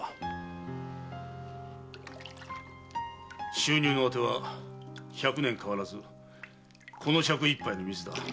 収入の当ては百年変わらずこの杓一杯の水だ。